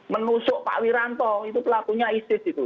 menusuk pak wiranto itu pelakunya isis itu